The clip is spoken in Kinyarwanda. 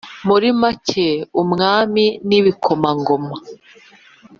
muri make, umwami n' ibikomangoma;